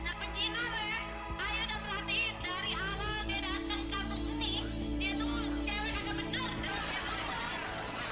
saya udah perhatiin dari awal dia datang ke kampung ini